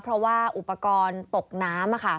เพราะว่าอุปกรณ์ตกน้ำ